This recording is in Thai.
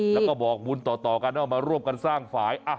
แล้วก็บอกบุญต่อกันเอามาร่วมกันสร้างฝ่าย